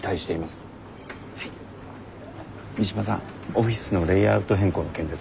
オフィスのレイアウト変更の件ですが。